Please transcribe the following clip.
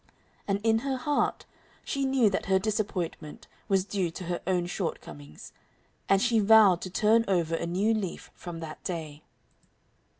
And in her heart she knew that her disappointment was due to her own shortcomings. And she vowed to turn over a new leaf from that day.